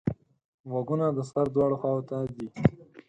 غوږونه د سر دواړو خواوو ته دي